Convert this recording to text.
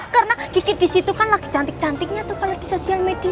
karena gigi di situ kan lagi cantik cantiknya tuh kalo di sosial media